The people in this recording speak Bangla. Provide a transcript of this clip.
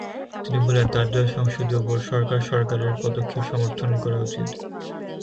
তিনি বলেন, তার দল সংসদীয় ভোট সরকার সরকারের পদক্ষেপ সমর্থন করা উচিত।